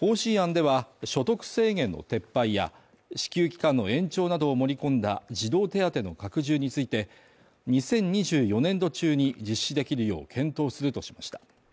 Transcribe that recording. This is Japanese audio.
方針案では、所得制限の撤廃や支給期間の延長などを盛り込んだ児童手当の拡充について２０２４年度中に実施できるよう検討するとしました。